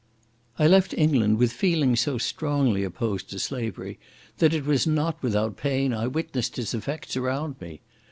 I left England with feelings so strongly opposed to slavery, that it was not without pain I witnessed its effects around me.